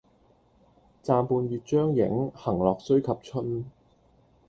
暫伴月將影，行樂須及春